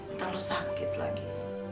ntar lu sakit lagi